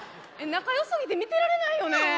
仲良すぎて見てられないよね。